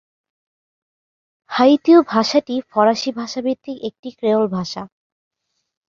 হাইতীয় ভাষাটি ফরাসি ভাষা-ভিত্তিক একটি ক্রেওল ভাষা।